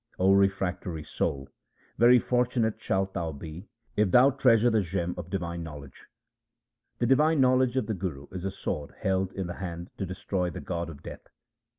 O refractory soul, very fortunate shalt thou be if thou treasure the gem of divine knowledge. The divine knowledge of the Guru is a sword held in the hand to destroy the god of death.